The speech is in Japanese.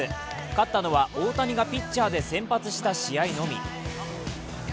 勝ったのは大谷がピッチャーで先発した試合のみ。